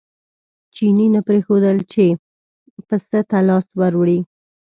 چیني نه پرېښودل چې پسه ته لاس ور وړي.